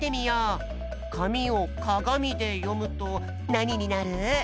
「かみ」を「かがみ」でよむとなにになる？